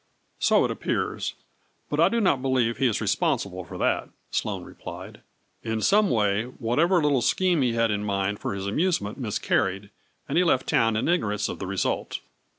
" So it appears, but I do not believe he is re sponsible for that," Sloane replied. " In some way, whatever little scheme he had in mind for his amusement miscarried, and he left town in ignorance of the result.